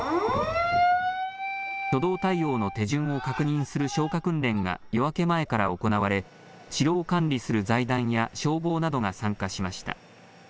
初動対応の手順を確認する消火訓練が夜明け前から行われ城を管理する財団や消防などが参加しました。